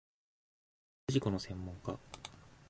交通事故の専門家